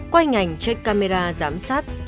quay hình ảnh trên camera giám sát